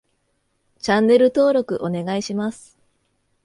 チャンネル登録お願いします